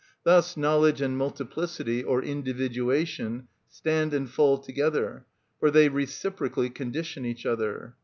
Thus knowledge and multiplicity, or individuation, stand and fall together, for they reciprocally condition each other.